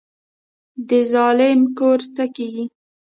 د ظالم کور څه کیږي؟